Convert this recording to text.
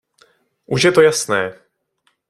Už je to jasné.